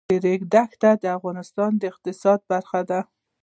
د ریګ دښتې د افغانستان د اقتصاد برخه ده.